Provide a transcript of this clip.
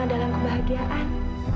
sama dalam kebahagiaan